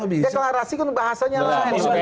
deklarasi kan bahasanya lain